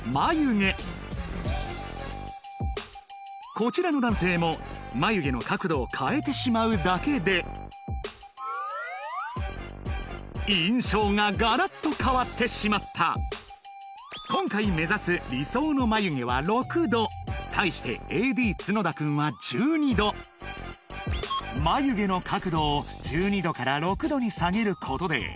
こちらの男性も眉毛の角度を変えてしまうだけで印象がガラッと変わってしまった今回目指す理想の眉毛は６度対してＡＤ角田くんは１２度眉毛の角度を１２度から６度に下げることで